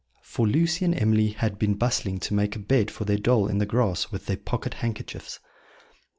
For Lucy and Emily had been bustling to make a bed for their doll in the grass with their pocket handkerchiefs.